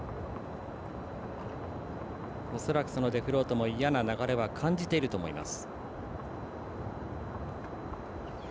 恐らく、デフロートも嫌な流れは感じていると思います。